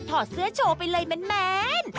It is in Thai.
อดเสื้อโชว์ไปเลยแมน